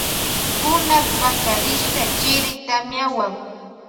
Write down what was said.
Kuna pakarishka chiri tamiawan.